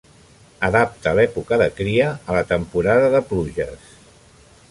Adapta l'època de cria a la temporada de pluges.